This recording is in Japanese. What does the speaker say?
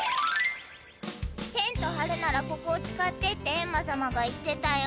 テントはるならここを使ってってエンマ様が言ってたよ。